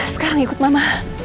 sekarang ikut mama